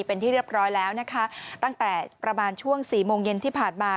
เป็นที่เรียบร้อยแล้วนะคะตั้งแต่ประมาณช่วงสี่โมงเย็นที่ผ่านมา